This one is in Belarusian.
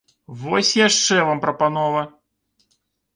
Вось яшчэ вам прапанова!